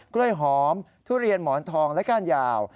กล้วยหอมทุเรียนหมอนทองและก้านยาว